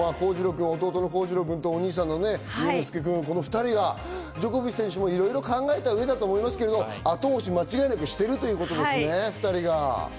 康次郎君とお兄さんの勇之介君、この２人がジョコビッチ選手もいろいろ考えた上だと思いますけど、後押しを間違いなくしてるということですね、２人が。